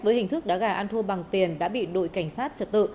với hình thức đá gà ăn thua bằng tiền đã bị đội cảnh sát trật tự